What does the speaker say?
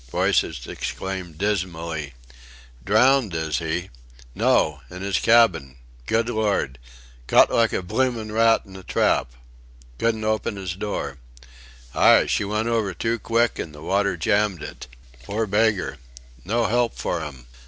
Voices exclaimed dismally: "Drowned is he?... No! In his cabin!... Good Lord!... Caught like a bloomin' rat in a trap.... Couldn't open his door... Aye! She went over too quick and the water jammed it... Poor beggar!... No help for 'im....